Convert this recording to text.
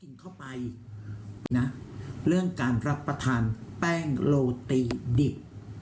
กินเข้าไปนะเรื่องการรับประทานแป้งโรตีดิบ